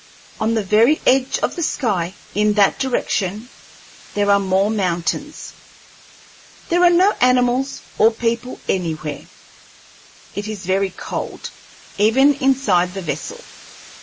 On the very edge of the sky, in that direction, there are more mountains. There are no animals or people anywhere. It is very cold, even inside the vessel.